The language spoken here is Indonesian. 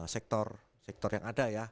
sektor sektor yang ada ya